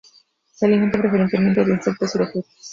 Se alimentan preferentemente de insectos y de frutas.